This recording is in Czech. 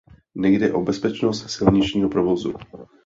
Nejde o bezpečnost silničního provozu.